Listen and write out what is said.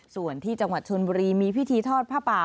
ส่วนที่จังหวัดชนบุรีมีพิธีทอดผ้าป่า